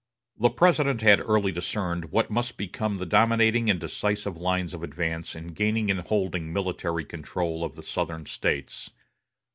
The President had early discerned what must become the dominating and decisive lines of advance in gaining and holding military control of the Southern States.